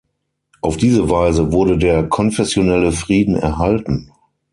Auf diese Weise wurde der konfessionelle Frieden erhalten.